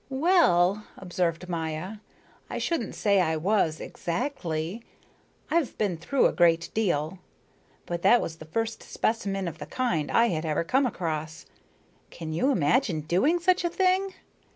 "Well," observed Maya, "I shouldn't say I was exactly. I've been through a great deal. But that was the first specimen of the kind I had ever come across. Can you imagine doing such a thing?"